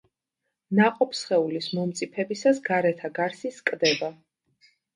ნაყოფსხეულის მომწიფებისას გარეთა გარსი სკდება.